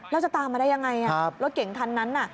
แล้วจะตามมาได้อย่างไรรถเก่งคันนั้น